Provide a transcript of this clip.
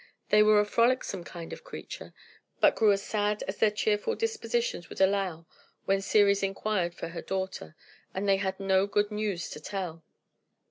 They were a frolicsome kind of creature, but grew as sad as their cheerful dispositions would allow when Ceres inquired for her daughter, and they had no good news to tell.